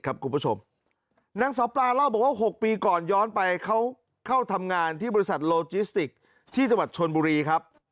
คุณผู้ชมนางสาวปลาเล่าบอกว่า๖ปีก่อนย้อนไปเขาเข้าทำงานที่บริษัทโลจิสติกที่จังหวัดชนบุรีครับ